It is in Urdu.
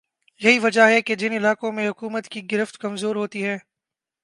یہی وجہ ہے کہ جن علاقوں میں حکومت کی گرفت کمزور ہوتی ہے